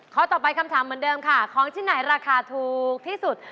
ข้อต่อไปคำถามเหมือนเดิมค่ะของที่ไหนราคาถูกที่สุด